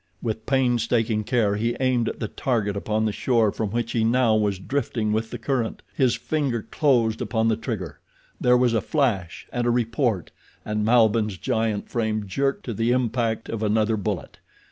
With painstaking care he aimed at the target upon the shore from which he now was drifting with the current. His finger closed upon the trigger—there was a flash and a report, and Malbihn's giant frame jerked to the impact of another bullet.